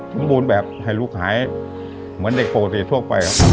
สมบูรณ์แบบให้ลูกหายเหมือนเด็กปกติทั่วไปครับ